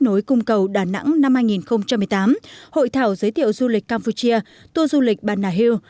nối cung cầu đà nẵng năm hai nghìn một mươi tám hội thảo giới thiệu du lịch campuchia tour du lịch banna hill